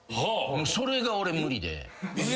それが俺無理で。